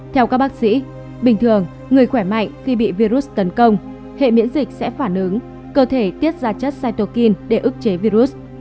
theo các bác sĩ bình thường người khỏe mạnh khi bị virus tấn công hệ miễn dịch sẽ phản ứng cơ thể tiết ra chất cytokin để ức chế virus